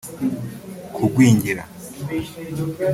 kugwingira